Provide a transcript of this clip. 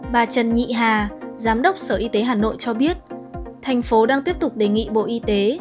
bà trần nhị hà giám đốc sở y tế hà nội cho biết thành phố đang tiếp tục đề nghị bộ y tế